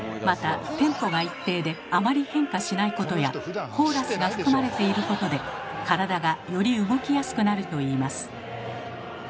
またテンポが一定であまり変化しないことやコーラスが含まれていることで体がより動きやすくなるといいます。